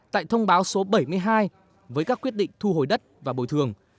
tại thông báo số bảy mươi hai với các quyết định thu hồi đất và bồi thường